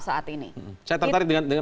saat ini saya tertarik dengan